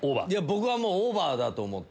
僕はオーバーだと思って。